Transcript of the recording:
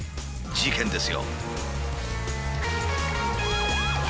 事件です。